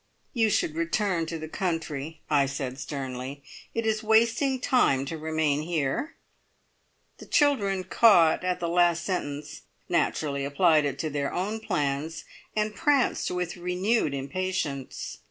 "You should return to the country," I said sternly. "It is wasting time to remain here." The children caught at the last sentence, naturally applied it to their own plans, and pranced with renewed impatience.